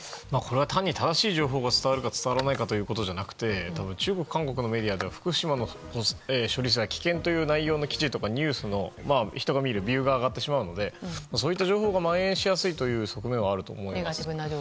これは、単に正しい情報が伝わるかどうかじゃなくて中国、韓国のメディアは福島の処理水は危険という内容の記事とかニュースを人が見るとビューが上がってしまうのでそういう情報が蔓延しやすいのはあると思います。